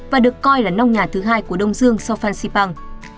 và được coi là nông nhà thứ hai của đông dương sau phan xipang